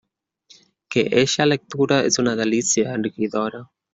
Que eixa lectura és una delícia enriquidora.